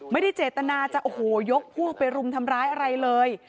ไม่ได้เจตนาจะโอ้โหยกพวกไปรุมทำร้ายอะไรเลย